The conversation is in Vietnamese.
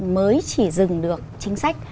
mới chỉ dừng được chính sách